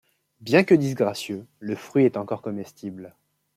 Bien que disgracieux, le fruit est encore comestible.